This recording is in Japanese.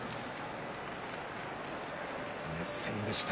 熱戦でした。